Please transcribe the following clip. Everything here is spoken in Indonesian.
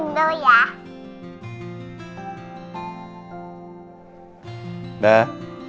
aku meeting dulu ya